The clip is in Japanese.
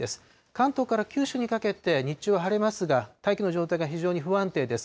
関東から九州にかけて日中は晴れますが、大気の状態が非常に不安定です。